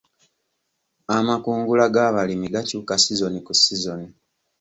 Amakungula g'abalimi gakyuka sizoni ku sizoni.